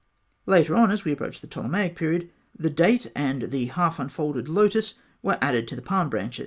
Later on, as we approach the Ptolemaic period, the date and the half unfolded lotus were added to the palm branches (fig.